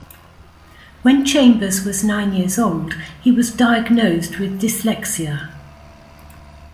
When Chambers was nine years old, he was diagnosed with dyslexia.